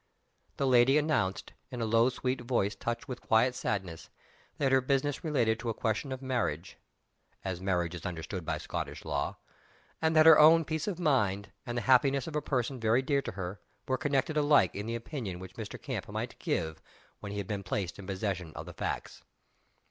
The lady announced in a low sweet voice touched with a quiet sadness that her business related to a question of marriage (as marriage is understood by Scottish law), and that her own peace of mind, and the happiness of a person very dear to her, were concerned alike in the opinion which Mr. Camp might give when he had been placed in possession of the facts.